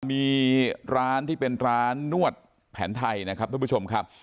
มีร้านที่เป็นร้านนวดแผนไทยนะครับทุกผู้ชมครับ